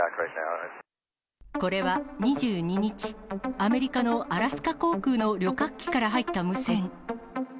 これは２２日、アメリカのアラスカ航空の旅客機から入った無線。